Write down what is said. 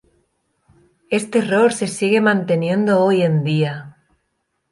Este error se sigue manteniendo hoy en día.